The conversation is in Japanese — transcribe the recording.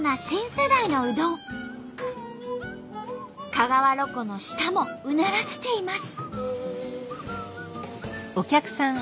香川ロコの舌もうならせています。